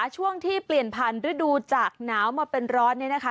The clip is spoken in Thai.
ช่วงที่เปลี่ยนผ่านฤดูจากหนาวมาเป็นร้อนเนี่ยนะคะ